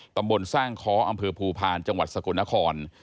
ตำบลสร้างค้ออำเภอภูพาลจังหวัดสกลนคร